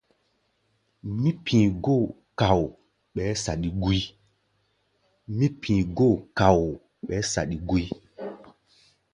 Mí pi̧i̧ góo ka̧u̧u̧, ɓɛɛ́ saɗi gúí.